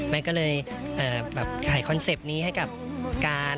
ก็เลยแบบขายคอนเซ็ปต์นี้ให้กับการ